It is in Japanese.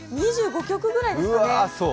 ２５曲ぐらいですかね。